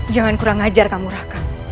jangan kurang ajar kamu raka